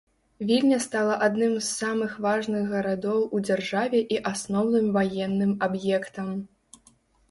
Вільня стала адным з самых важных гарадоў у дзяржаве і асноўным ваенным аб'ектам.